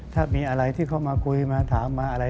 ถ้ามีอะไรที่เข้ามาคุยมาถามมาอะไร